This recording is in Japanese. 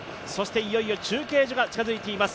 いよいよ中継所が近づいています。